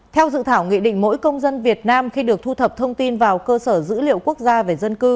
theo dự thảo nghị định mỗi công dân việt nam khi được thu thập thông tin vào cơ sở dữ liệu quốc gia về dân cư